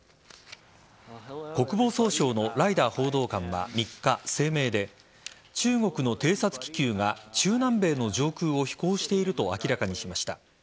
国防総省のライダー報道官は３日、声明で中国の偵察気球が中南米の上空を飛行していると明らかにしました。